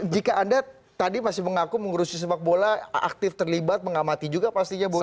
jika anda tadi masih mengaku mengurusi sepak bola aktif terlibat mengamati juga pastinya bola